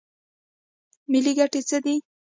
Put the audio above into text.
ملي ګټې څه دي؟